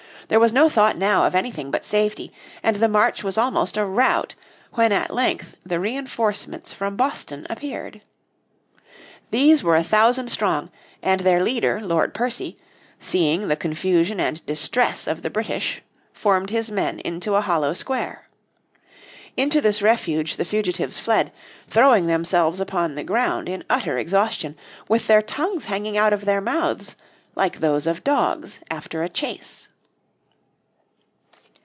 There was no thought now of anything but safety, and the march was almost a rout when at length the reinforcements from Boston appeared. These were a thousand strong, and their leader, Lord Percy, seeing the confusion and distress of the British formed his men into a hollow square. Into this refuge the fugitives fled, throwing themselves upon the ground in utter exhaustion, with their tongues hanging out of their mouths "like those of dogs after a chase."